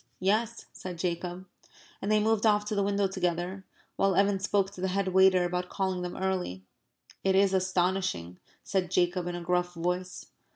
"Yes," said Jacob. And they moved off to the window together, while Evan spoke to the head waiter about calling them early. "It is astonishing," said Jacob, in a gruff voice.